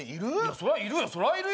そりゃ、いるよ！